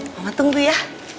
mama tunggu ya